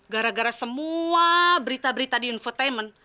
gara gara semua berita berita di enfotainment